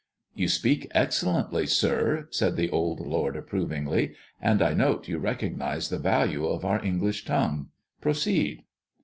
"You speak excellently, sir," said the old lord approv ingly, " and I note you recognize the value of our English tongue. Proceed."